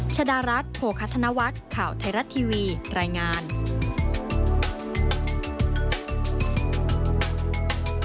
โปรดติดตามตอนต่อไป